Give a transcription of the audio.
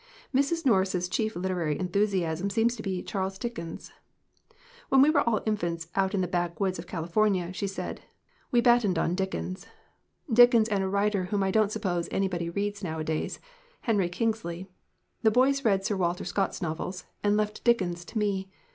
Mrs. Norris's chief literary enthusiasm seems to be Charles Dickens. "When we were all in fants out in the backwoods of California," she said, "we battened on Dickens. Dickens and a writer whom I don't suppose anybody reads now adays Henry Kingsley. The boys read Sir 27 LITERATURE IN THE MAKING Walter Scott's novels, and left Dickens to me.